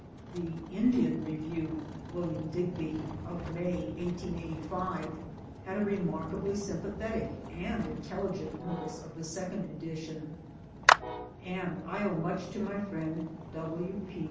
The Indian Review (Wm. Digby) of May 1885 had a remarkably sympathetic and intelligent notice of the second edition, and I owe much to my friend W. P.